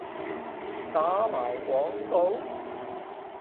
打埋廣告？